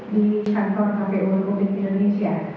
di kantor kpuu indonesia